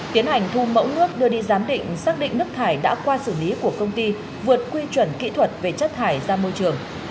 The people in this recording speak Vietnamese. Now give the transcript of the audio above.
tiến hành thu mẫu nước đưa đi giám định xác định nước thải đã qua xử lý của công ty vượt quy chuẩn kỹ thuật về chất thải ra môi trường